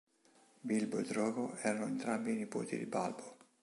Bilbo e Drogo erano entrambi nipoti di Balbo.